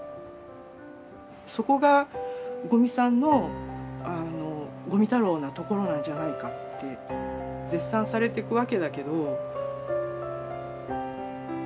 そこが五味さんの五味太郎なところなんじゃないかって絶賛されてくわけだけど。